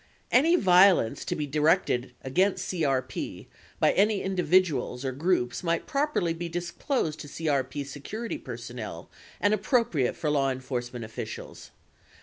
147 Any violence to be directed against CEP by any individuals or groups might properly be disclosed to CEP security personnel and appropriate law enforcement officials.